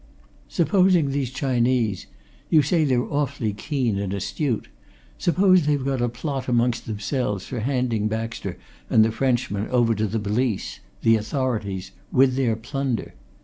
"Supposing these Chinese you say they're awfully keen and astute supposing they've got a plot amongst themselves for handing Baxter and the Frenchman over to the police the authorities with their plunder?